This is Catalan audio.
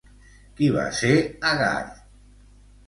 Qui va ser Agar?